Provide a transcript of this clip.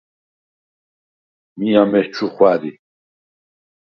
მი ამეჩუ ხვა̈რი.